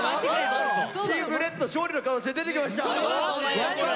チームレッド勝利の可能性出てきました！